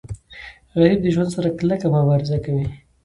غریب د ژوند سره کلکه مبارزه کوي